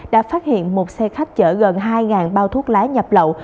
đã phát hiện một xe khách chở gần hai bao thuốc lá nhập lậu